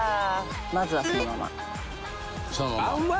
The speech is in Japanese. まずはそのまま。